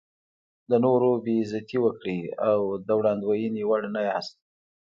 د نورو بې عزتي وکړئ او د وړاندوینې وړ نه یاست.